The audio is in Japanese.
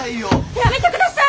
やめてください！